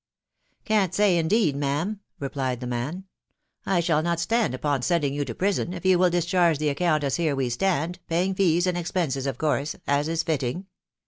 " Can't say, indeed, ma'am," replied the man ;" I shall not stand upon sending you to prison if you will discharge the account as here*we stand, paying fees and expenses of course, as is fitting.